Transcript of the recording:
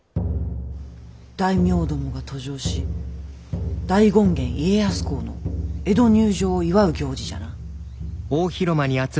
大名どもが登城し大権現家康公の江戸入城を祝う行事じゃな。